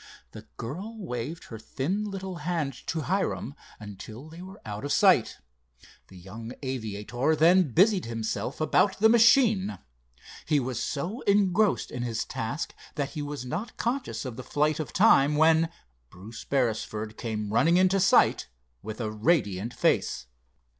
The girl waved her thin little hand to Hiram until they were out of sight. The young aviator then busied himself about the machine. He was so engrossed in his task that he was not conscious of the flight of time, when Bruce Beresford came running into sight with a radiant face.